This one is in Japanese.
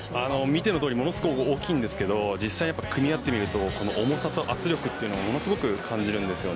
見てのとおりものすごく大きいですが実際に組み合ってみると重さと圧力をものすごく感じます。